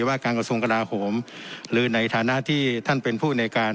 ว่าการกระทรวงกราโหมหรือในฐานะที่ท่านเป็นผู้ในการ